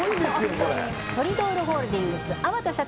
これトリドールホールディングス粟田社長